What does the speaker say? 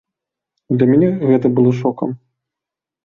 Для мяне гэта было шокам.